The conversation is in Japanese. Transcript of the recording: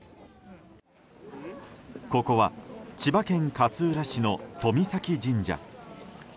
ここは千葉県勝浦市の遠見岬神社。